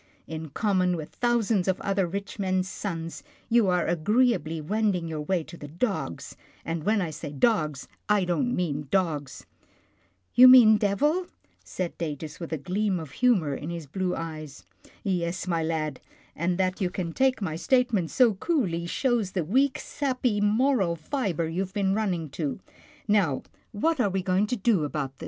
In common with thousands of other rich men's sons, you are agreeably wending your way to the dogs, and when I say dogs, I don't mean dogs." " You mean devil," said Datus with a gleam of humour in his blue eyes. " Yes, my lad, and that you can take my state ment so coolly shows the weak, sappy, moral fibre you have been running to — Now, what are we to do about this ?